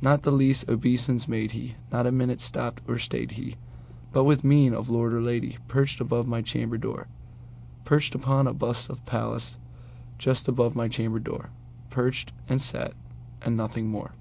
Not the least obeisance made he; not a minute stopped or stayed he; But, with mien of lord or lady, perched above my chamber door, Perched upon a bust of Pallas just above my chamber door:Perched, and sat, and nothing more.